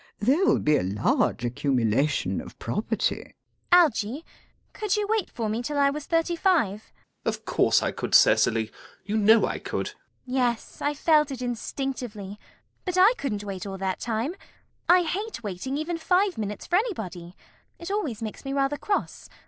There will be a large accumulation of property. CECILY. Algy, could you wait for me till I was thirty five? ALGERNON. Of course I could, Cecily. You know I could. CECILY. Yes, I felt it instinctively, but I couldn't wait all that time. I hate waiting even five minutes for anybody. It always makes me rather cross.